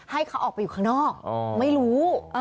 ให้เขาออกไปอยู่ข้างนอกไม่รู้